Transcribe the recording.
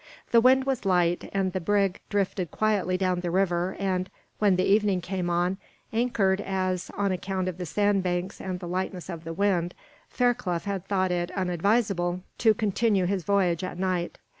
The wind was light, and the brig drifted quietly down the river and, when evening came on, anchored as, on account of the sandbanks and the lightness of the wind, Fairclough had thought it unadvisable to continue his voyage at night.